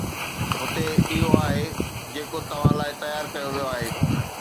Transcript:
هتي اهو آهي جيڪو توهان لاء تيار ڪيو ويو آهي